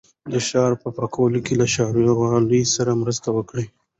د ښار په پاکوالي کې له ښاروالۍ سره مرسته وکړئ.